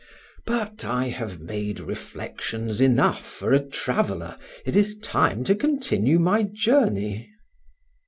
But I have made reflections enough for a traveller, it is time to continue my journey.